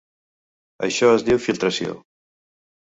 Això es diu filtració.